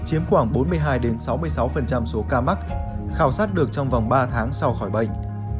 chiếm khoảng bốn mươi hai sáu mươi sáu số ca mắc khảo sát được trong vòng ba tháng sau khỏi bệnh